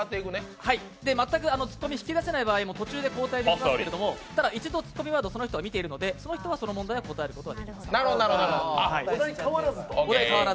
全くツッコミが引き出せない場合でもかわれますけどただ、一度ツッコミワードをその人は見ているのでその人はその問題は答えることはできません。